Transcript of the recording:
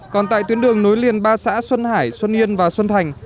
còn tại tuyến đường nối liền ba xã xuân hải xuân yên và xuân thành